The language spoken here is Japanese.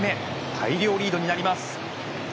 大量リードになります。